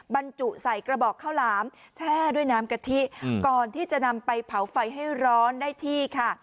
บรรจุใส่กระบอกข้าวหลามแช่ด้วยน้ำกะทิก่อนที่จะนำไปเผาไฟให้ร้อนได้ที่ค่ะ